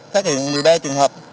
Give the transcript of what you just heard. phát hiện một mươi ba trường hợp